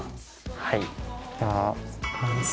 はい。